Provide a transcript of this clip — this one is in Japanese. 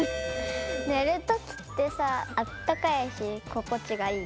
ねるときってさあったかいしここちがいい。